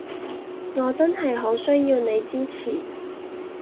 我真係好需要你支持